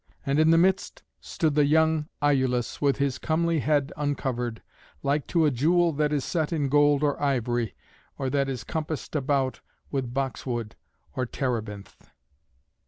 And in the midst stood the young Iülus, with his comely head uncovered, like to a jewel that is set in gold or ivory, or that is compassed about with boxwood or terebinth.